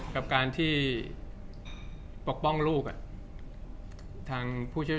จากความไม่เข้าจันทร์ของผู้ใหญ่ของพ่อกับแม่